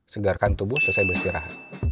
segarkan tubuh selesai beristirahat